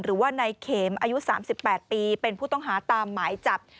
หรือว่านายเข็มอายุ๓๘ปีเป็นผู้ต้องหาตามหมายจับ